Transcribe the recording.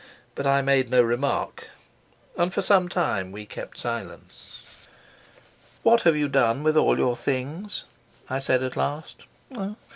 But I made no remark, and for some time we kept silence. "What have you done with all your things?" I said at last.